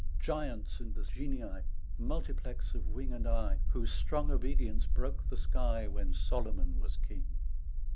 Giants and the Genii, Multiplex of wing and eye, Whose strong obedience broke the sky When Solomon was king.